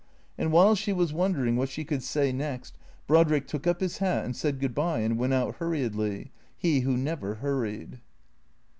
And while she was wondering what she could say next Brodrick took up his hat and said good bye and went out hurriedly, he who never hurried.